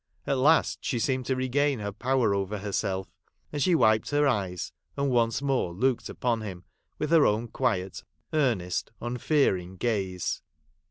At last she seemed to regain her power over herself ; and she wiped her eyes, and once more looked upon him with her own quiet, earnest, unfearing gaze.